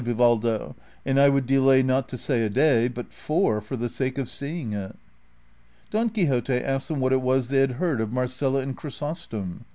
So I think too," replied Yivaldo, " and I would delay not to say a day, but four, for the sake of seeing it." Don Quixote asked them what it was they had heard of Marcela and Chrysostoni.